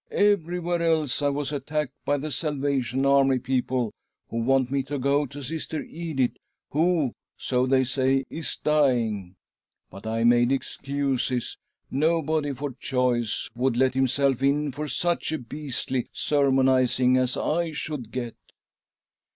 Everywhere else I was attacked by the Salvation Army people, who want me to go to Sister Edith, who, "so they say, is dying. But I made excuses. Nobody for choice would let himself in .. for such a beastly sermonising as I should get."